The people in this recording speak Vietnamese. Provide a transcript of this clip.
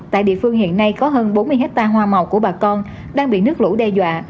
tại địa phương hiện nay có hơn bốn mươi hectare hoa màu của bà con đang bị nước lũ đe dọa